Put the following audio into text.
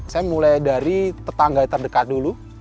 saya mulai dari tetangga terdekat dulu